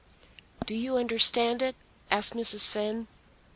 "Do you understand it?" asked Mrs. Finn.